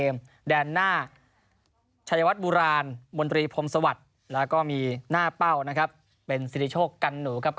และต้านหน้าเป้าเป็นสิทธิโชคกันนู่ครับ